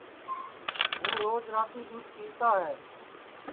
ہوں روج راتی دؔودھ پیوتا ہے